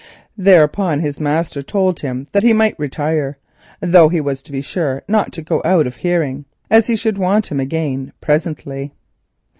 Thereon his master told him that he might retire, though he was to be sure not to go out of hearing, as he should want him again presently.